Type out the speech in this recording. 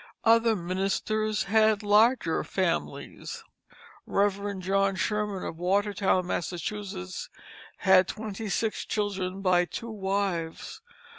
Other ministers had larger families. Rev. John Sherman, of Watertown, Massachusetts, had twenty six children by two wives.